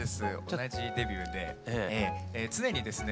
同じデビューで常にですね